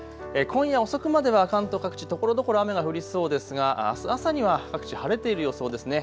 今夜遅くまでは関東各地、ところどころ雨が降りそうですがあす朝には各地、晴れている予想ですね。